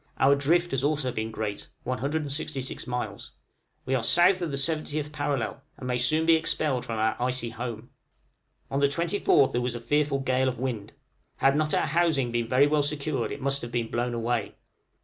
Our drift has been also great, 166 miles. We are south of the 70th parallel, and may soon be expelled from our icy home. On the 24th there was a fearful gale of wind. Had not our housing been very well secured, it must have been blown away.